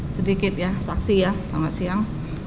sedikit ya saksi ya selamat siang